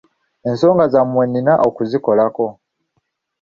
Enzonga zammwe nnina okuzikolako.